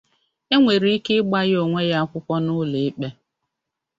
E nwere ike ịgba ya onwe ya akwụkwọ n’ụlọ ịkpe.